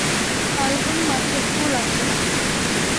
ফাল্গুন মাসে ফুল আসে।